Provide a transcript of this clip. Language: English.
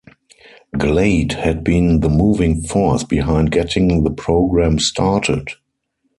Glade had been the moving force behind getting the program started.